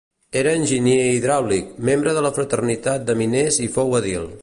Era enginyer hidràulic, membre de la fraternitat de miners i fou edil.